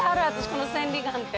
この千里眼って。